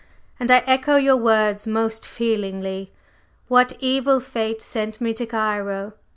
And I echo your words most feelingly, What evil fate sent me to Cairo?